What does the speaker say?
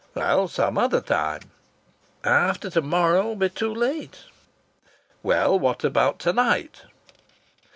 "Well, some other time?" "After to morrow will be too late." "Well, what about to night?"